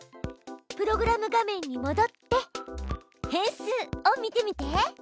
プログラム画面にもどって変数を見てみて！